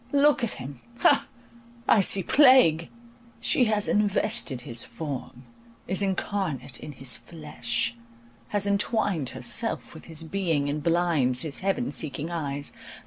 Look at him—ha! I see plague! She has invested his form, is incarnate in his flesh, has entwined herself with his being, and blinds his heaven seeking eyes.